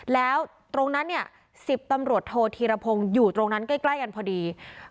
แล้วตรงนั้นเนี่ย๑๐ตำรวจโทษธีรพงศ์อยู่ตรงนั้นใกล้กันพอดี